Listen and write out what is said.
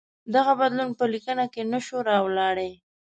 دغه بدلون په لیکنه کې نه شو راوړلای.